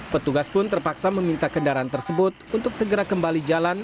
petugas pun terpaksa meminta kendaraan tersebut untuk segera kembali jalan